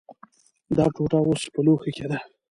دا ټوټه اوس په لوښي کې ده.